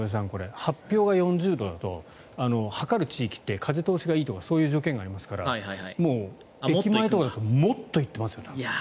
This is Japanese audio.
発表が４０度だと測る地域って風通しがいいとかそういう状況がありますから駅前とかだともっていってますよね。